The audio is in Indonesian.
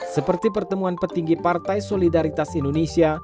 seperti pertemuan petinggi partai solidaritas indonesia